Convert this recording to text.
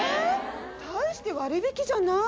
大して割引じゃない！